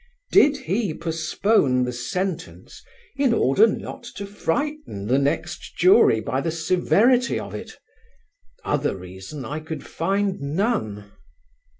Did he postpone the sentence in order not to frighten the next jury by the severity of it? Other reason I could find none.